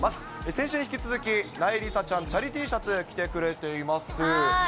先週に引き続き、なえりさちゃん、チャリＴシャツ着てくれています。